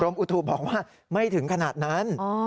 อุทุบอกว่าไม่ถึงขนาดนั้น